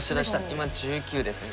今１９ですね。